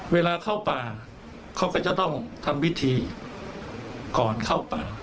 เวลาเข้าป่าเขาก็จะต้องทำพิธีก่อนเข้าป่า